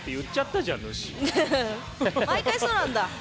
毎回そうなんだ。